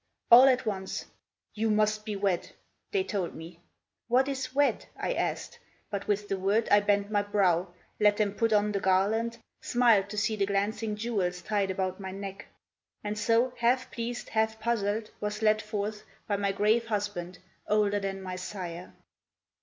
All at once "You must be wed," they told me. "What is wed?" I asked; but with the word I bent my brow, Let them put on the garland, smiled to see The glancing jewels tied about my neck; And so, half pleased, half puzzled, was led forth By my grave husband, older than my sire.